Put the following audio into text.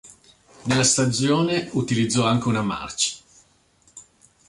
Nella stagione utilizzò anche una March.